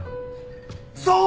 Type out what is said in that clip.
そう！